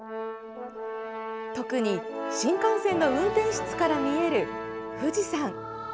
特に、新幹線の運転室から見える富士山。